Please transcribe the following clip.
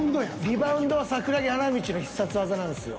リバウンドは桜木花道の必殺技なんですよ。